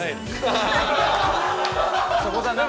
そこだな。